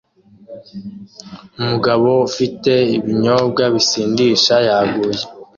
Umugabo ufite ibinyobwa bisindisha yaguye